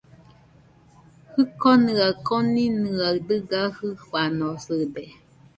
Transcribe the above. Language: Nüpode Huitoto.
Jikonɨa koninɨaɨ dɨga jɨfanosɨde